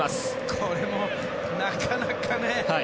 これもなかなかね。